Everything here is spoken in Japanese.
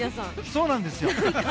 そうなんですよ。